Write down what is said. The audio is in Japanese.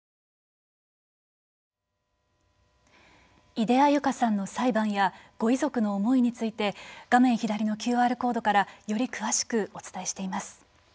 井出安優香さんの裁判やご遺族の思いについて画面左のＱＲコードからより詳しくお伝えしています。